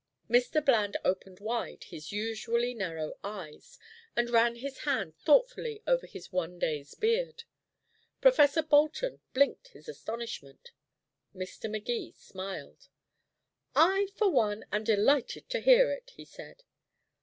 Mr. Bland opened wide his usually narrow eyes, and ran his hand thoughtfully over his one day's beard. Professor Bolton blinked his astonishment. Mr. Magee smiled. "I, for one, am delighted to hear it," he said.